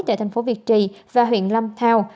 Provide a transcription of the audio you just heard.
tại thành phố việt trì và huyện lâm thao